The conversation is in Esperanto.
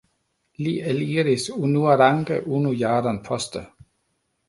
Li eliris unuarange unu jaron poste.